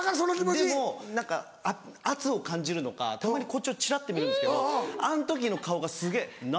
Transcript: でも何か圧を感じるのかたまにこっちをちらって見るんですけどあの時の顔がすげぇ「何？」